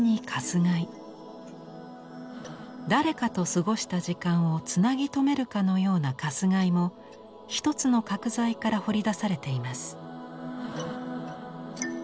誰かと過ごした時間をつなぎ止めるかのような鎹も一つの角材から彫り出されています。